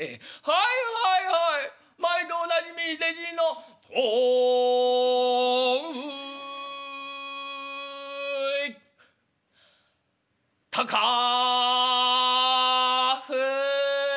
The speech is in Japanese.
『はいはいはい毎度おなじみひでじいの』『豆腐い』『たかふい』」。